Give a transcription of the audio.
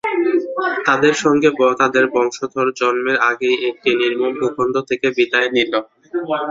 তাঁদের সঙ্গে তাঁদের বংশধর জন্মের আগেই একটি নির্মম ভূখণ্ড থেকে বিদায় নিল।